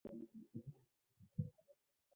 有明是东京都江东区的地名。